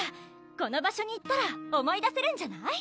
この場所に行ったら思い出せるんじゃない？